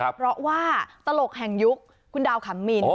เพราะว่าตลกแห่งยุคคุณดาวขำมิน